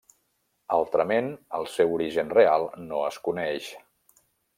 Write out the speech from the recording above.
Altrament, el seu origen real no es coneix.